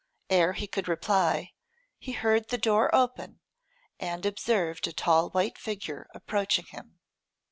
Ere he could reply he heard the door open, and observed a tall white figure approaching him.